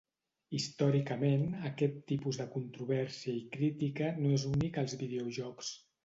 Històricament, aquest tipus de controvèrsia i crítica no és únic als videojocs.